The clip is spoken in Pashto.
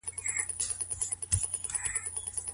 هر متل دروغ نه دی.